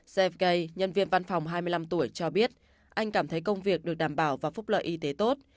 jaffi nhân viên văn phòng hai mươi năm tuổi cho biết anh cảm thấy công việc được đảm bảo và phúc lợi y tế tốt